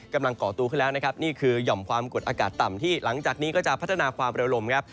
ก่อตัวขึ้นแล้วนะครับนี่คือหย่อมความกดอากาศต่ำที่หลังจากนี้ก็จะพัฒนาความเร็วลมครับ